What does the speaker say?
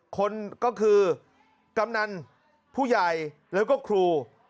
คนก็คือกำนันผู้ใหญ่แล้วก็ครู